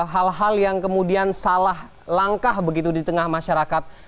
hal hal yang kemudian salah langkah begitu di tengah masyarakat